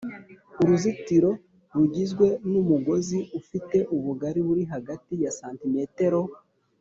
Uruzitiro rugizwe n umugozi ufite ubugari buri hagati ya santimetero